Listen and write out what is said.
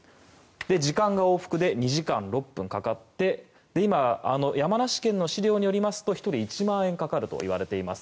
時間が往復で２時間６分かかって今、山梨県の資料によりますと１人１万円かかるといわれています。